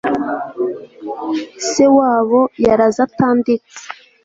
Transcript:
se wabo yaraze atanditse